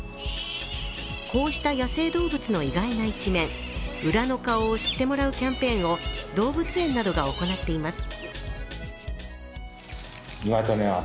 こうした野生動物の意外な一面、ウラのカオを知ってもらうキャンペーンを動物園などが行っています。